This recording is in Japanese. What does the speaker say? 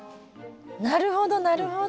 なるほどなるほど。